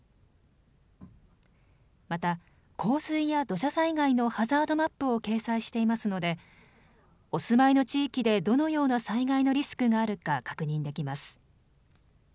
また、洪水や土砂災害のハザードマップを掲載していますのでお住まいの地域でどのような災害のリスクがあるか確認できます。